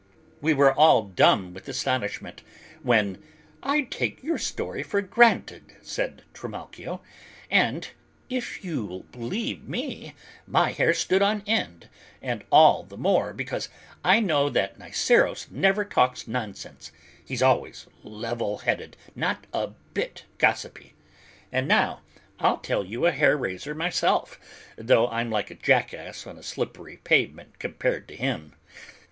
We were all dumb with astonishment, when "I take your story for granted," said Trimalchio, "and if you'll believe me, my hair stood on end, and all the more, because I know that Niceros never talks nonsense: he's always level headed, not a bit gossipy. And now I'll tell you a hair raiser myself, though I'm like a jackass on a slippery pavement compared to him.